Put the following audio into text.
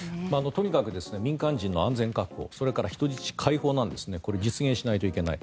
とにかく民間人の安全確保それから人質解放をこれ、実現しないといけない。